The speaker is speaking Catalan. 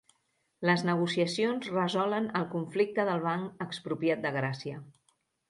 Les negociacions resolen el conflicte del Banc Expropiat de Gràcia